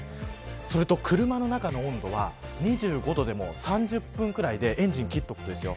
それと車の中の温度は２５度でも３０分ぐらいエンジンを切っておくとですよ